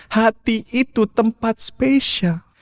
hati itu tempat spesial